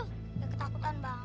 ya ketakutan banget